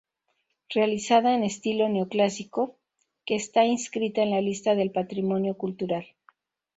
Realizada en estilo neoclásico, que está inscrita en la lista del patrimonio cultural.